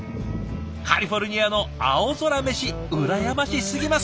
カリフォルニアの青空メシ羨ましすぎます。